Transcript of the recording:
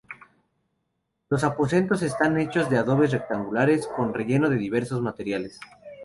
Los aposentos están hechos de adobes rectangulares, con relleno de diversos materiales.